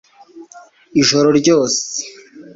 ijoro ryose